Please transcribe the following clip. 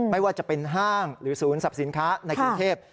ไม่ว่าจะเป็นห้างหรือศูนย์สรรพสินค้าในกรุงเทพ